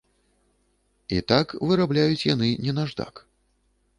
І так, вырабляюць яны не наждак.